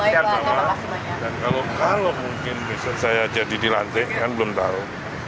dan kalau mungkin misal saya jadi di lantik belum tahu